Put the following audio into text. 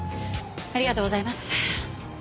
ありがとうございます。